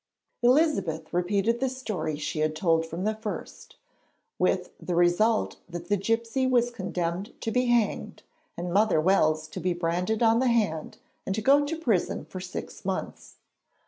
Elizabeth repeated the story she had told from the first, with the result that the gipsy was condemned to be hanged, and Mother Wells to be branded on the hand and to go to prison for six months.